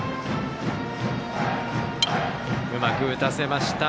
うまく打たせました。